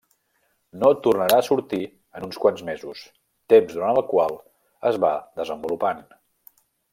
No tornarà a sortir en uns quants mesos, temps durant el qual es va desenvolupant.